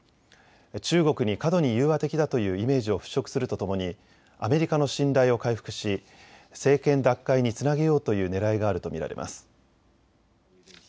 中国に過度に融和的だというイメージを払拭するとともにアメリカの信頼を回復し政権奪回につなげようというねらいがあると見られます。